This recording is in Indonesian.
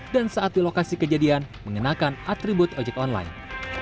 dan saat di lokasi kejadian mengenakan atribut ojek online